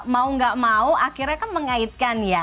mau nggak mau akhirnya kan mengaitkan ya